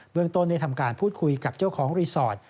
เมืองต้นได้ทำการพูดคุยกับเจ้าของรีสอร์ท